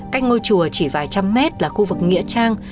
cách ngôi chùa chỉ vài trăm mét là khu vực nghĩa trang